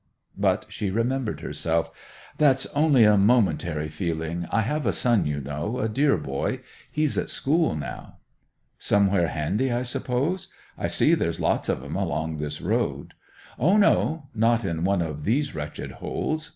But she remembered herself. 'That's only a momentary feeling. I have a son, you know, a dear boy. He's at school now.' 'Somewhere handy, I suppose? I see there's lots on 'em along this road.' 'O no! Not in one of these wretched holes!